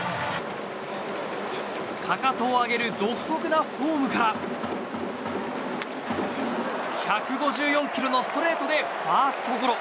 かかとを上げる独特なフォームから１５４キロのストレートでファーストゴロ。